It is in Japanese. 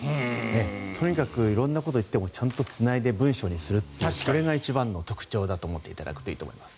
とにかく色んなことを言ってもつないで文章にするというそれが一番の特徴だと思っていただくといいと思います。